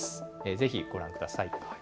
ぜひご覧ください。